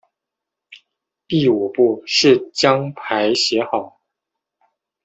第五步是将牌写好。